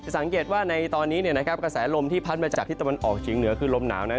สังเกตว่าในตอนนี้กระแสลมที่พัดมาจากที่ตะวันออกเฉียงเหนือคือลมหนาวนั้น